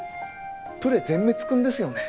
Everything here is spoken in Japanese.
プレ全滅君ですよね